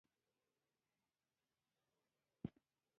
چې څېړنې یې کولې ماشه په لاس پیره و.